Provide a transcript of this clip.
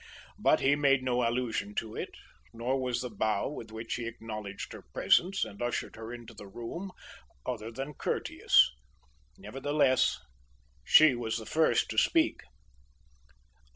But he made no allusion to it, nor was the bow with which he acknowledged her presence and ushered her into the room, other than courteous. Nevertheless, she was the first to speak.